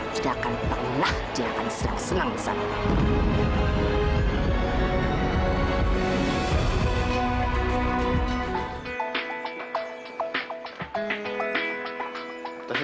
tidak akan pernah dia akan senang senang sampai